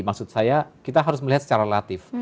maksud saya kita harus melihat secara latif